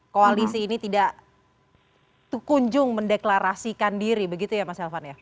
koalisi ini tidak kunjung mendeklarasikan diri begitu ya mas elvan ya